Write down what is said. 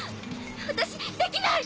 私できない！